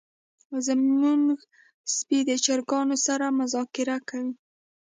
زمونږ سپی د چرګانو سره مذاکره کوي.